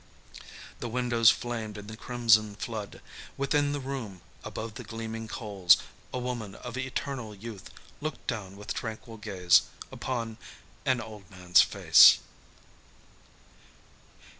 The windows flamed in the crimson flood. Within the room, above the gleaming coals, a woman of eternal youth looked down with tranquil gaze upon an old man's face.